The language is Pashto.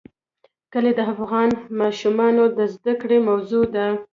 کلي د افغان ماشومانو د زده کړې موضوع ده.